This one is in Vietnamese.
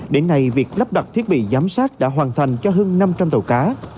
đến nay việc lắp đặt thiết bị giám sát đã hoàn thành cho hơn năm trăm linh tàu cá